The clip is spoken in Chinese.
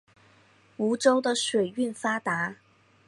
梧州的水运发达。